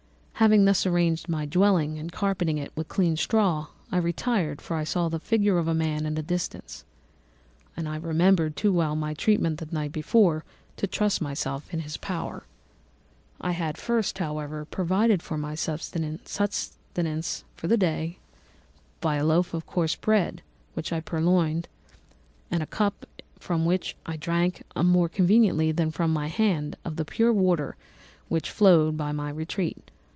"Having thus arranged my dwelling and carpeted it with clean straw, I retired, for I saw the figure of a man at a distance, and I remembered too well my treatment the night before to trust myself in his power. I had first, however, provided for my sustenance for that day by a loaf of coarse bread, which I purloined, and a cup with which I could drink more conveniently than from my hand of the pure water which flowed by my retreat.